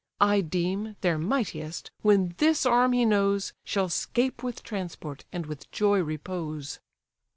I deem, their mightiest, when this arm he knows, Shall 'scape with transport, and with joy repose."